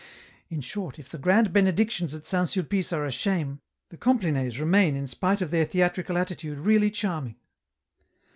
In short, if the grand Benedictions at St. Sulpice are a shame, the Complines remain in spite of their theatrical attitude really charming."